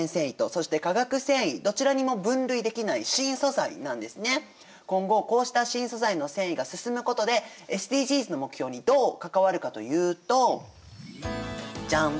この今後こうした新素材の繊維が進むことでＳＤＧｓの目標にどう関わるかというとジャン！